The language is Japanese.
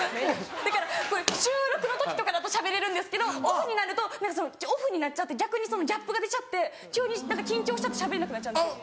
だからこれ収録の時とかだとしゃべれるんですけどオフになると何かオフになっちゃって逆にそのギャップが出ちゃって急に緊張しちゃってしゃべれなくなっちゃうんですよ。